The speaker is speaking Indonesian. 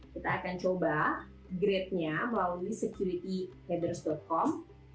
kita akan coba grade nya melalui securityheaters com